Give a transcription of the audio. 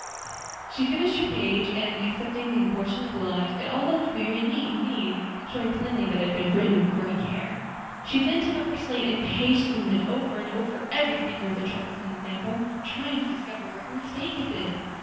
She finished her page, and, excepting the unfortunate blot, it all looked very neat indeed, showing plainly that it had been written with great care. She then took up her slate and patiently went over and over every figure of the troublesome example, trying to discover where her mistake had been.